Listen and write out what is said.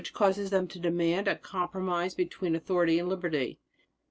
. causes them to demand a compromise between authority and liberty.